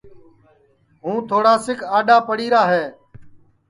ہوں تھوڑاس اڈؔا پڑی را ہے